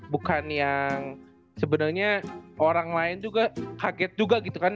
bukan yang sebenarnya orang lain juga kaget juga gitu kan